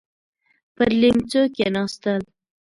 پر ليمڅو کېناستل.